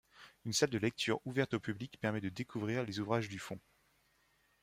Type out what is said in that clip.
Une salle de lecture ouverte au public permet de découvrir les ouvrages du fonds.